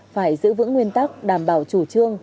phải giữ vững nguyên tắc đảm bảo chủ trương